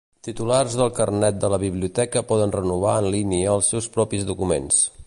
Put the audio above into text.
Titulars del carnet de la biblioteca poden renovar en línia els seus propis documents.